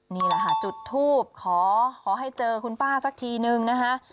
นี่แหละค่ะจุดทูบขอขอให้เจอคุณป้าสักทีนึงนะคะ